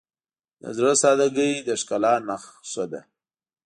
د زړه سادگی د ښکلا نښه ده.